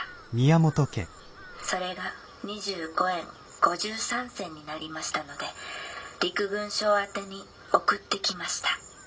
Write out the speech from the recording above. それが２５円５３銭になりましたので陸軍省宛てに送ってきました。